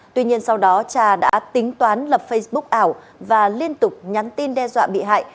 tuy nhiên sau đó trà đã tính toán lập facebook ảo và liên tục nhắn tin đe dọa bị hại